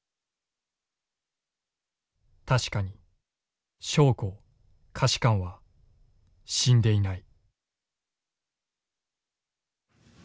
「確かに将校下士官は死んでいない」。